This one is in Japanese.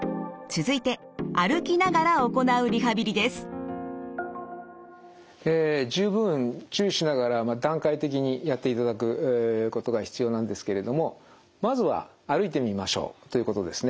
続いて十分注意しながら段階的にやっていただくことが必要なんですけれどもまずは歩いてみましょうということですね。